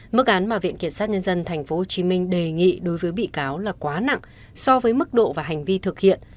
mức án mà viện kiểm sát nhân dân tp hcm đề nghị đối với bị cáo là quá nặng so với mức độ và hành vi thực hiện